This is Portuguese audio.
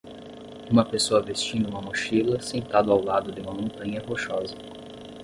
uma pessoa vestindo uma mochila sentado ao lado de uma montanha rochosa.